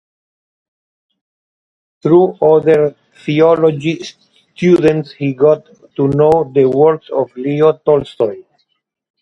Through other theology students he got to know the works of Leo Tolstoy.